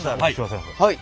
はい。